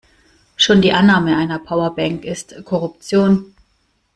Schon die Annahme einer Powerbank ist Korruption.